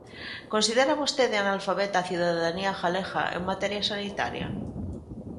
¿Considera vostede analfabeta a cidadanía galega en materia sanitaria?